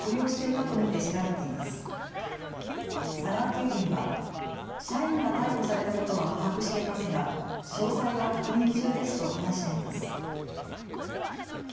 急便は社員が逮捕されたことは把握していますが詳細は確認中ですと話しています。